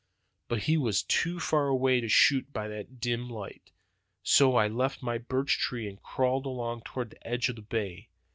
"But he was too far away to shoot by that dim light, so I left my birch tree and crawled along toward the edge of the bay.